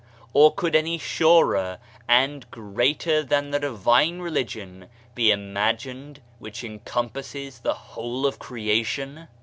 Or could any surer and greater than the divine religion be imagined which encompasses the whole of creation?